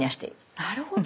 なるほど。